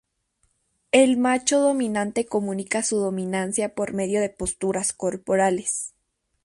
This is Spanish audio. El macho dominante comunica su dominancia por medio de posturas corporales.